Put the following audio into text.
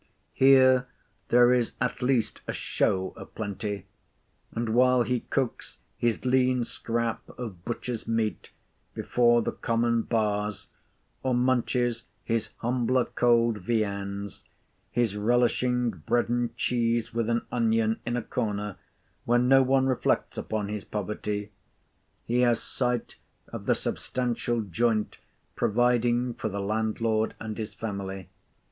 Here there is at least a show of plenty; and while he cooks his lean scrap of butcher's meat before the common bars, or munches his humbler cold viands, his relishing bread and cheese with an onion, in a corner, where no one reflects upon his poverty, he has sight of the substantial joint providing for the landlord and his family.